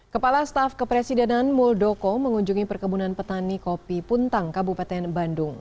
kepala staf kepresidenan muldoko mengunjungi perkebunan petani kopi puntang kabupaten bandung